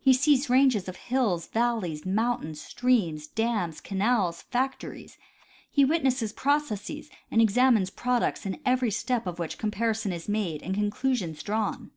He sees ranges of hills, val le3''s, mountains, streams, dams, canals, factories ; he witnesses processes and examines products, in every step of which com parison is made and conclusions drawn.